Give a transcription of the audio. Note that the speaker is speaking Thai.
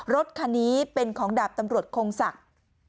รถคันนี้เป็นของดาบตำรวจคงศักดิ์